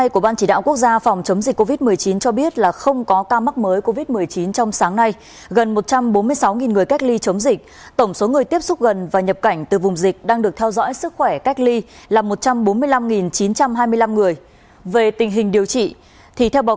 cảm ơn các bạn đã theo dõi